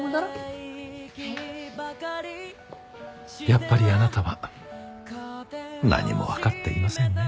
やっぱりあなたは何もわかっていませんね。